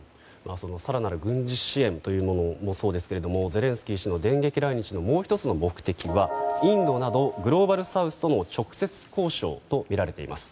更なる軍事支援もそうですがゼレンスキー氏の電撃来日のもう１つの目的はインドなどグローバルサウスとの直接交渉とみられています。